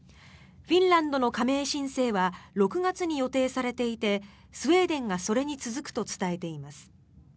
フィンランドの加盟申請は６月に予定されていてスウェーデンがそれに続くと伝えています。